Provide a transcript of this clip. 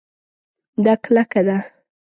دا کلکه ده